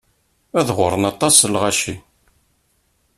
Ad ɣurren aṭas n lɣaci.